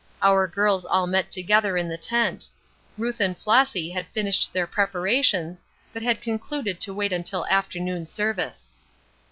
Our girls all met together in the tent. Ruth and Flossy had finished their preparations, but had concluded to wait until afternoon service.